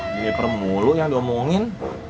jeniper mulu yang diomongin